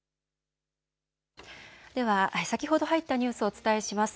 では先ほど入ったニュースをお伝えします。